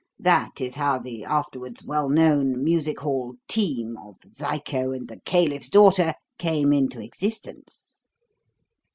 That is how the afterwards well known music hall 'team' of 'Zyco and the Caliph's Daughter' came into existence.